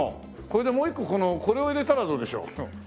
これでもう一個このこれを入れたらどうでしょう？